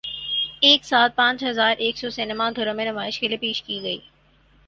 ایک ساتھ پانچ ہزار ایک سو سینما گھروں میں نمائش کے لیے پیش کی گئی